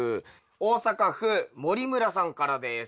大阪府森村さんからです。